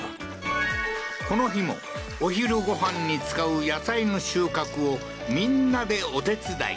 この日も、お昼ごはんに使う野菜の収穫をみんなでお手伝い。